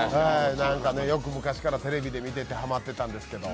よく昔からテレビで見ててハマってたんですけど。